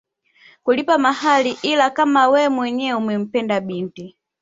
Kulipa mahari ila kama wewe mwenyewe umempenda binti